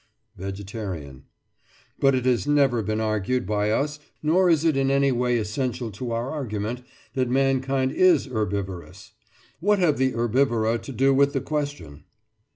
VEGETARIAN: But it has never been argued by us, nor is it in any way essential to our argument, that mankind is herbivorous. What have the herbivora to do with the question?